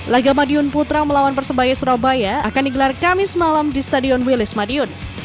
laga madiun putra melawan persebaya surabaya akan digelar kamis malam di stadion wilis madiun